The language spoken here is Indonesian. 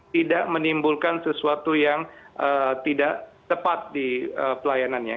tidak menimbulkan sesuatu yang tidak tepat di pelayanannya